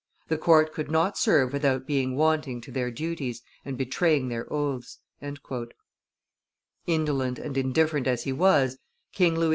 The Court could not serve without being wanting to their duties and betraying their oaths." Indolent and indifferent as he was, King Louis XV.